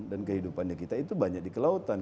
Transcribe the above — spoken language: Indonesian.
dan kehidupannya kita itu banyak di kelautan